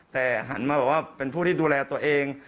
แต่หันมาบอกว่าเป็นผู้ที่ดูแลตัวเอง